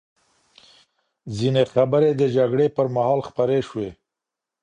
ځینې خبرې د جګړې پر مهال خپرې شوې.